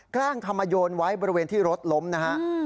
แกล้งทำโมยนไว้บริเวณที่รถล้มนะครับ